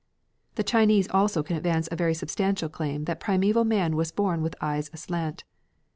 The Chinese also can advance very substantial claims that primeval man was born with eyes aslant.